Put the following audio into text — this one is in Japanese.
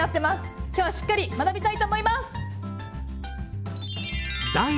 今日はしっかり学びたいと思います！